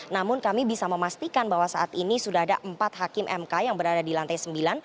namun kami bisa memastikan bahwa saat ini sudah ada empat hakim mk yang berada di lantai sembilan